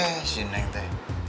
eh si neng teh